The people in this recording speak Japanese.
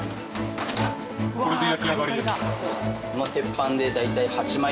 これで焼き上がりですか？